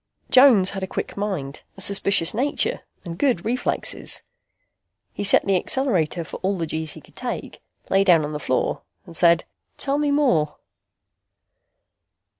Jones had a quick mind, a suspicious nature and good reflexes. He set the accelerator for all the G's he could take, lay down on the floor and said, "Tell me more."